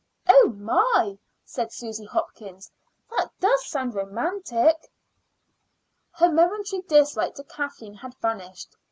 "Oh, my!" said Susy Hopkins. "That does sound romantic." Her momentary dislike to Kathleen had vanished.